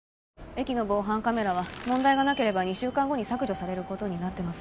駅の防犯カメラは問題がなければ２週間後に削除されることになってます